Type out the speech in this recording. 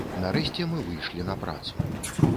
Нарэшце мы выйшлі на працу.